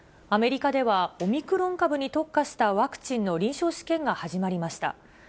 アメリカではオミクロン株に特化したワクチンの臨床試験が始まりました。